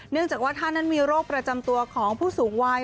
เนื่องจากว่าท่านนั้นมีโรคประจำตัวของผู้สูงวัย